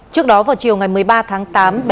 trước đó vào chiều ngày một mươi ba tháng tám